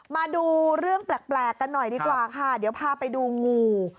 มาดูเรื่องแปลกกันหน่อยดีกว่าค่ะเดี๋ยวพาไปดูงู